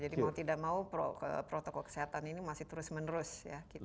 jadi mau tidak mau protokol kesehatan ini masih terus menerus ya